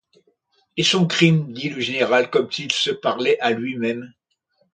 Et son crime? dit le général comme s’il se parlait à lui-même.